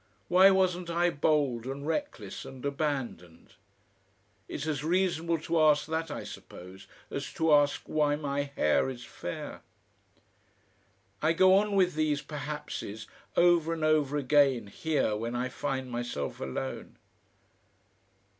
Why wasn't I bold and reckless and abandoned? It's as reasonable to ask that, I suppose, as to ask why my hair is fair.... "I go on with these perhapses over and over again here when I find myself alone....